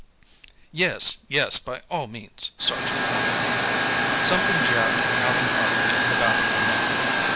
"Yes, yes; by all means, sergeant." Something jabbed Allan Hartley in the back of the neck.